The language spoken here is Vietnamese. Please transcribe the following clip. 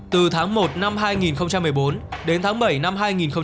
từ tháng một năm hai nghìn một mươi bốn đến tháng bảy năm hai nghìn hai mươi một